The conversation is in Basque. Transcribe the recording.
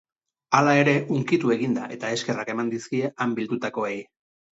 Hala ere, hunkitu egin da eta eskerrak eman dizkie han bildutakoei.